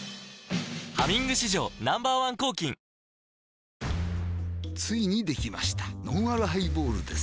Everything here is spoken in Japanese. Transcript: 「ハミング」史上Ｎｏ．１抗菌ついにできましたのんあるハイボールです